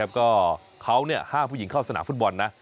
แล้วก็เขาเนี่ย๕ผู้หญิงเข้าสนามฟุตบอลนะ